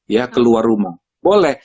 ya keluar rumah boleh